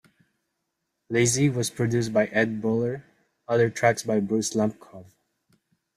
"Lazy" was produced by Ed Buller, other tracks by Bruce Lampcov.